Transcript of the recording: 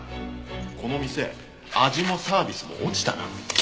この店味もサービスも落ちたな。